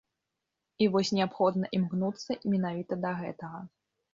І вось неабходна імкнуцца менавіта да гэтага.